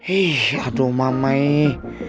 ih aduh mamaif